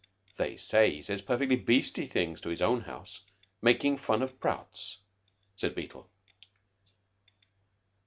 They say he says perfectly beastly things to his own house, making fun of Prout's," said Beetle.